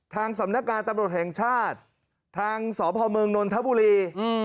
ทางสำนักงานตำรวจแห่งชาติทางสพเมืองนนทบุรี